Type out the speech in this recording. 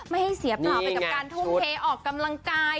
ไม่ให้เสียเปล่าไปกับการทุ่มเทออกกำลังกาย